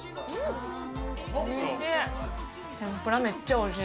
おいしい。